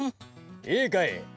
・いいかい！